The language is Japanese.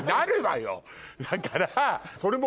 だから。